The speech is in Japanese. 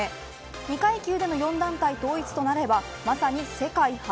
２階級での４団体統一となればまさに世界初。